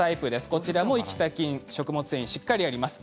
こちらも生きた菌、食物繊維しっかりあります。